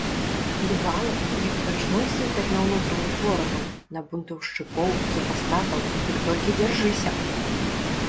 Бывала, як пачнуць сыпаць на ўнутраных ворагаў, на бунтаўшчыкоў, супастатаў, дык толькі дзяржыся!